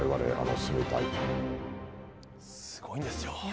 すごいんですよ。